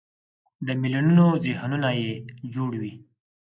د میلیونونو ذهنونه یې جوړوي.